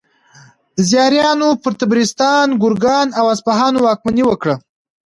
زیاریانو پر طبرستان، ګرګان او اصفهان واکمني وکړه.